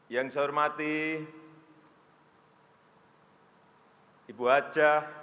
yang saya hormati ibu hajah